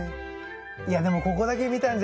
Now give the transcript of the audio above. いやでもここだけ見たんじゃね